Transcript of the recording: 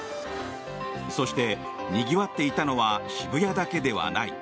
そして、にぎわっていたのは渋谷だけではない。